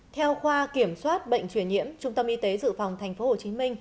theo khoa kiểm soát bệnh truyền nhiễm trung tâm y tế dự phòng tp hcm